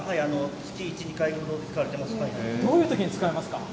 月１、２回ほど使いまどういうときに使いますか？